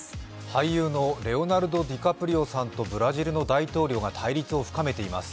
俳優のレオナルド・ディカプリオさんとブラジルの大統領が対立を深めています。